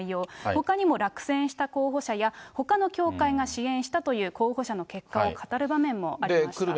ほかにも落選した候補者や、ほかの教会が支援したという候補者の結果を語る場面もありました。